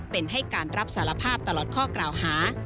เป็นให้การรับสารภาพตลอดข้อกล่าวหา